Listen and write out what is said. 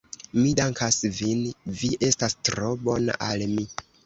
Mi dankas vin, vi estas tro bona al mi.